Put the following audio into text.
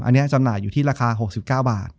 อันนี้จำหน่ายอยู่ที่ราคา๖๙บาท